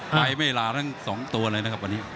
ไปไม่ลาทั้ง๒ตัวเลยนะครับวันนี้